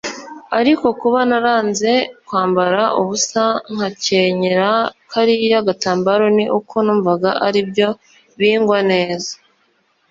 ariko kuba naranze kwambara ubusa nkakenyera kariya gatambaro ni uko numvaga aribyo bingwa neza